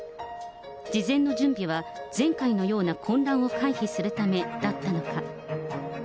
事前の準備は、前回のような混乱を回避するためだったのか。